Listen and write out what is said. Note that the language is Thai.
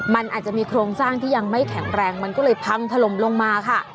มันอาจจะมีโครงสร้างที่ยังไม่แข็งแรงมันก็เลยพังถล่มลงมาค่ะ